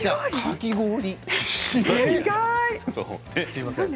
すいません。